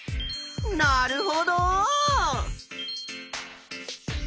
なるほど！